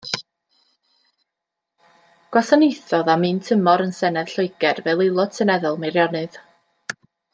Gwasanaethodd am un tymor yn Senedd Lloegr fel Aelod Seneddol Meirionnydd.